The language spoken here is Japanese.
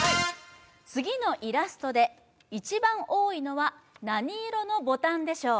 次のイラストで一番多いのは何色のボタンでしょう？